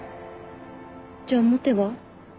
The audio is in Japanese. じゃあ持てば？